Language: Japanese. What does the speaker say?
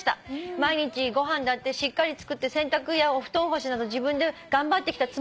「毎日ご飯だってしっかり作って洗濯やお布団干しなど自分で頑張ってきたつもりなのに」